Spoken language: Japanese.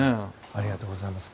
ありがとうございます。